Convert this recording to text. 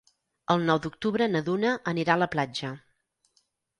El nou d'octubre na Duna anirà a la platja.